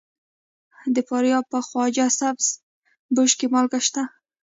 د فاریاب په خواجه سبز پوش کې مالګه شته.